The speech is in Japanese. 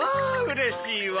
うれしいわ。